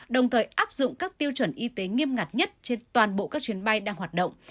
đồng thời áp dụng các tiêu chuẩn y tế nghiêm ngặt nhất trên toàn bộ các chuyến bay đang hoạt động